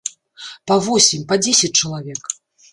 Па восем, па дзесяць чалавек.